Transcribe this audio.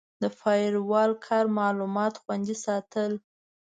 د فایروال کار معلومات خوندي ساتل دي.